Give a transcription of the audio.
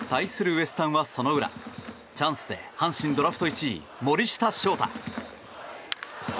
ウエスタンはその裏チャンスで阪神ドラフト１位、森下翔太。